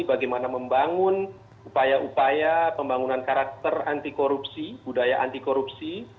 bagaimana membangun upaya upaya pembangunan karakter anti korupsi budaya anti korupsi